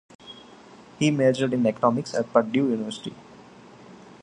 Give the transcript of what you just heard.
He majored in economics at Purdue University.